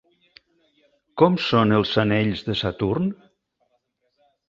Com són els anells de Saturn?